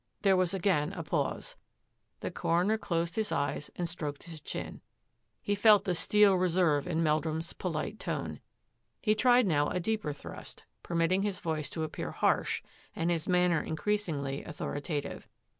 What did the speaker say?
There was again a pause. The coroner closed his eyes and stroked his chin. He felt the steel reserve in Meldrum's polite tone. He tried now a deeper thrust, permitting his voice to appear harsh and his manner increasingly authoritative.